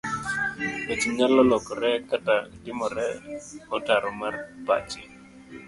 Weche nyalo lokore kata timore otaro mar pachi.